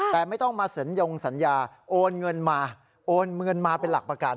แต่ไม่ต้องมาสัญญงสัญญาโอนเงินมาโอนเงินมาเป็นหลักประกัน